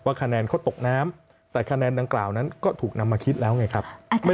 คะแนนเขาตกน้ำแต่คะแนนดังกล่าวนั้นก็ถูกนำมาคิดแล้วไงครับ